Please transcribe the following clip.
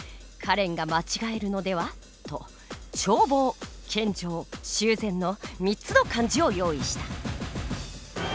「カレンが間違えるのでは？」と「眺望」「献上」「修繕」の３つの漢字を用意した。